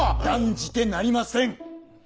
断じてなりません！